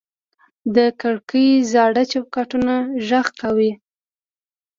د کړکۍ زاړه چوکاټ غږ کاوه.